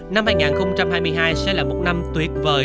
năm hai nghìn hai mươi hai sẽ là một năm tuyệt vời